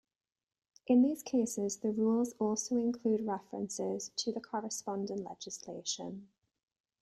In these cases, the rules also include references to the corresponding legislation.